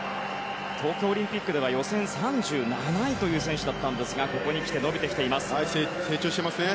東京オリンピックでは予選３７位という選手だったんですが成長してますね。